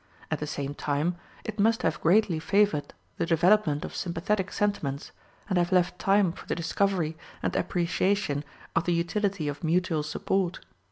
At the same time, it must have greatly favored the development of sympathetic sentiments, and have left time for the discovery and appreciation of the utility of mutual support.